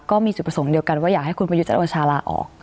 ก็มีจุดประสงค์เดียวกันว่าอยากให้คุณไปยุจจัดอวชาล่าออก